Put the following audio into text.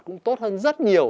cũng tốt hơn rất nhiều